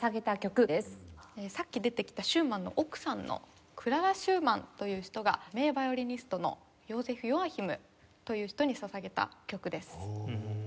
さっき出てきたシューマンの奥さんのクララ・シューマンという人が名ヴァイオリニストのヨーゼフ・ヨアヒムという人に捧げた曲です。